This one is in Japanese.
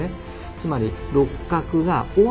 つまり六角が尾張